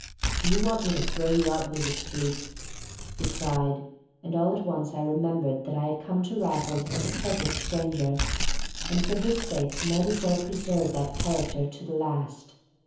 "Do you want me to throw you out into the street?" he cried; and all at once I remembered that I had come to Raffles as a perfect stranger, and for his sake might as well preserve that character to the last.